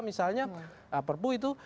misalnya perpu itu